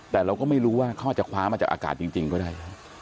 แต่เราก็ไม่รู้ว่าเขาอาจจะคว้ามาจากอากาศจริงก็ได้